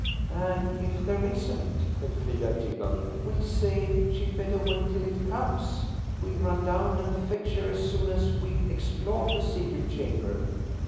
"And if there isn't," Elfrida giggled, "we'll say she'd better wait till it comes. We'll run down and fetch her as soon as we've explored the secret chamber."